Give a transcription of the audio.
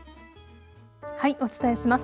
お伝えします。